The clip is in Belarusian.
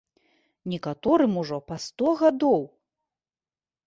Некаторым ужо па сто гадоў!